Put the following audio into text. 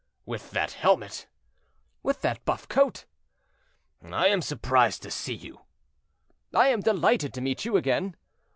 "With that helmet!" "With that buff coat!" "I am surprised to see you." "I am delighted to meet you again."